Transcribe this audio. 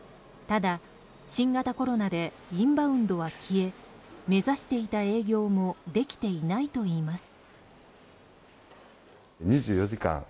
ただ、新型コロナでインバウンドは消え目指していた営業もできていないといいます。